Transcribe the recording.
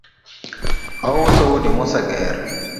Ouso udi moseger